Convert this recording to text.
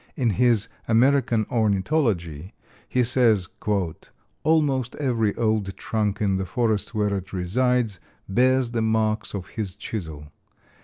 In his "American Ornithology" he says: "Almost every old trunk in the forest where it resides bears the marks of his chisel.